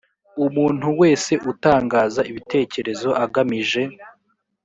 umuntu wese utangaza ibitekerezo agamije